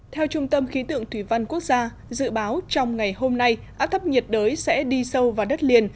theo trung tâm khí tượng thủy văn quốc gia dự báo trong ngày hôm nay áp thấp nhiệt đới sẽ đi sâu vào đất liền